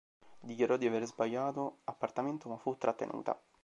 Dichiarò di aver sbagliato appartamento, ma fu trattenuta.